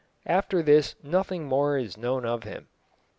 After this nothing more is known of him.